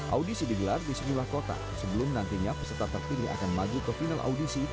audisi digelar di sejumlah kota sebelum nantinya peserta terpilih akan maju ke final audisi